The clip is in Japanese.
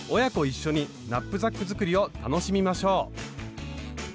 一緒にナップザック作りを楽しみましょう！